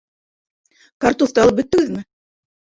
— Картуфты алып бөттөгөҙмө?